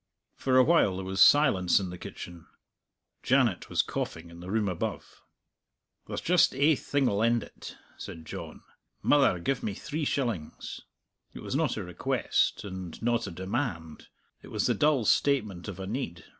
For a while there was silence in the kitchen. Janet was coughing in the room above. "There's just ae thing'll end it!" said John. "Mother, give me three shillings." It was not a request, and not a demand; it was the dull statement of a need.